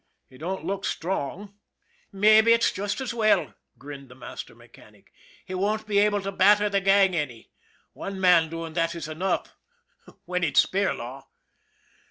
He don't look strong." " Mabbe it's just as well," grinned the master mechanic. " He won't be able to batter the gang any. One man doing that is enough when it's Spirlaw."